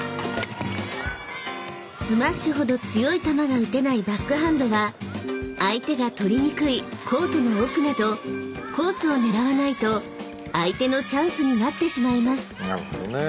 ［スマッシュほど強い球が打てないバックハンドは相手が取りにくいコートの奥などコースを狙わないと相手のチャンスになってしまいます］